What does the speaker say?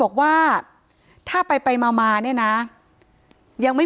ถ้าใครอยากรู้ว่าลุงพลมีโปรแกรมทำอะไรที่ไหนยังไง